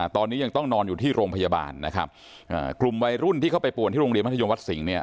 ตอนนี้ยังต้องนอนอยู่ที่โรงพยาบาลนะครับกลุ่มวัยรุ่นที่เข้าไปป่วนที่โรงเรียนมัธยมวัดสิงห์เนี่ย